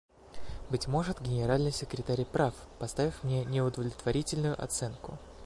Быть может, Генеральный секретарь и прав, поставив мне неудовлетворительную оценку.